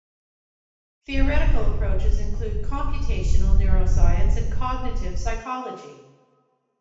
Theoretical approaches include computational neuroscience and cognitive psychology.